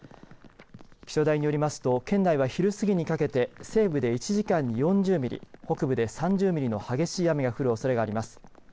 気象台によりますと県内は昼過ぎにかけて西部で１時間に４０ミリ北部で３０ミリの激しい雨が降るおそれがあります。